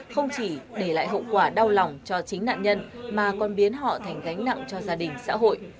không chỉ để lại hậu quả đau lòng cho chính nạn nhân mà còn biến họ thành gánh nặng cho gia đình xã hội